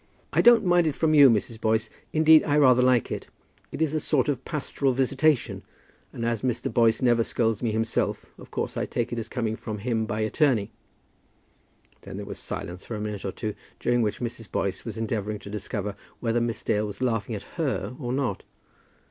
"I don't mind it from you, Mrs. Boyce. Indeed, I rather like it. It is a sort of pastoral visitation; and as Mr. Boyce never scolds me himself, of course I take it as coming from him by attorney." Then there was silence for a minute or two, during which Mrs. Boyce was endeavouring to discover whether Miss Dale was laughing at her or not.